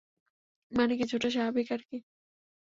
মানে, কিছুটা স্বাভাবিক আরকি।